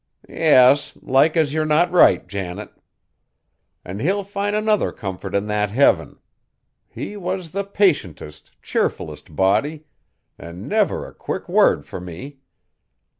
"Yes! Like as not you're right, Janet. An' he'll find other comfort in that heaven. He was the patientest, cheerfulest body; an' never a quick word fur me.